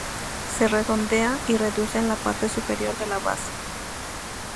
Se redondea y reduce en la parte superior de la base.